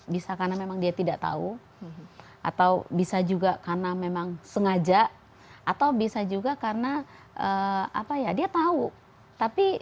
bisa karena memang dia tidak tahu atau bisa juga karena memang sengaja atau bisa juga karena apa ya dia tahu tapi